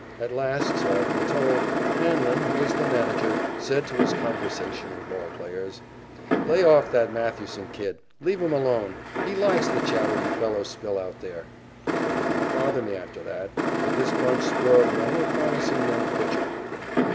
At last, so I have been told, Hanlon, who was the manager, said to his conversational ball players: "Lay off that Mathewson kid. Leave him alone. He likes the chatter you fellows spill out there." They did not bother me after that, but this bunch spoiled many a promising young pitcher.